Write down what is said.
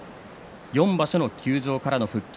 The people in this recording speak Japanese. ４場所の休場からの復帰。